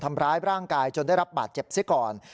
ทำร้ายร่างกายจนได้รับบาดเจ็บซิก่อน